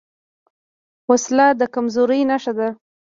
وسله د کمزورۍ نښه ده